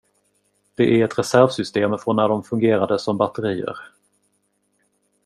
Det är ett reservsystem från när de fungerade som batterier.